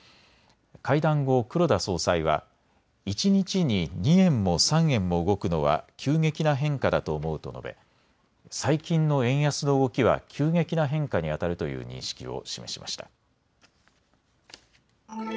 会談後、黒田総裁は一日に２円も３円も動くのは急激な変化だと思うと述べ最近の円安の動きは急激な変化にあたるという認識を示しました。